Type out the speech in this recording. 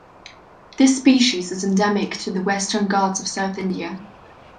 This species is endemic to the Western Ghats of South India.